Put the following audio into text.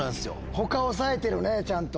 他抑えてるねちゃんと。